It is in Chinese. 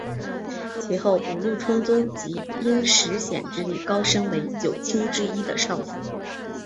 其后五鹿充宗即因石显之力高升为九卿之一的少府。